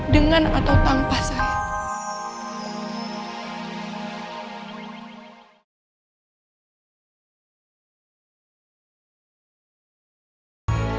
dengan atau tanpa saya